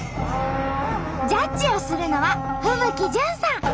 ジャッジをするのは風吹ジュンさん。